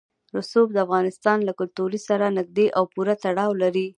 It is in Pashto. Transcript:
رسوب د افغانستان له کلتور سره نږدې او پوره تړاو لري.